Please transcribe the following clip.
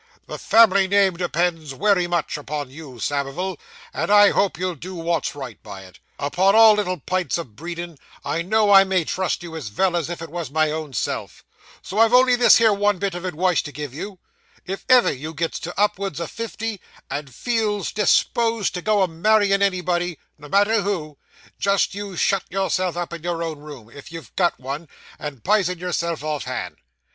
The family name depends wery much upon you, Samivel, and I hope you'll do wot's right by it. Upon all little pints o' breedin', I know I may trust you as vell as if it was my own self. So I've only this here one little bit of adwice to give you. If ever you gets to up'ards o' fifty, and feels disposed to go a marryin' anybody no matter who jist you shut yourself up in your own room, if you've got one, and pison yourself off hand.